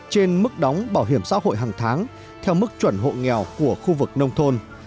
trên mức đóng bảo hiểm xã hội hàng tháng theo mức chuẩn hộ nghèo của khu vực nông thôn